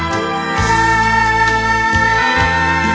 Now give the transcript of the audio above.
หัวใจเหมือนไฟร้อน